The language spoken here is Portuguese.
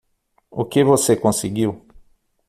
O que voce conseguiu?